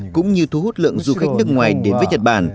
cũng như thu hút lượng du khách nước ngoài đến với nhật bản